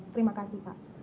terima kasih pak